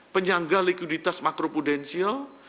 penyangga likuiditas makro prudensial